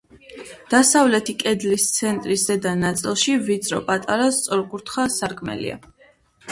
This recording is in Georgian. დასავლეთი კედლის ცენტრის ზედა ნაწილში ვიწრო, პატარა სწორკუთხა სარკმელია.